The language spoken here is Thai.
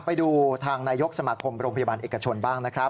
ไปดูทางนายกสมาคมโรงพยาบาลเอกชนบ้างนะครับ